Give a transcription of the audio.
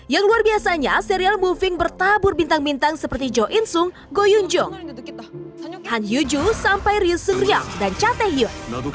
yang luar biasanya serial moving bertabur bintang bintang seperti jo in sung go yoon jung han yo joo sampai ryu seung ryung dan cha tae hyun